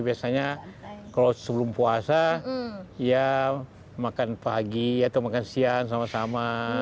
biasanya kalau sebelum puasa ya makan pagi atau makan siang sama sama